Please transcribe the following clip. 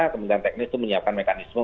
kementerian teknis itu menyiapkan mekanisme